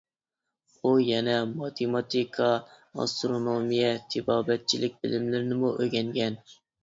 ئۇ يەنە ماتېماتىكا، ئاسترونومىيە، تېبابەتچىلىك بىلىملىرىنىمۇ ئۆگەنگەن.